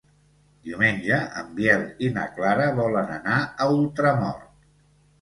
Diumenge en Biel i na Clara volen anar a Ultramort.